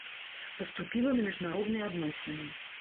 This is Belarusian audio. Паступіла на міжнародныя адносіны.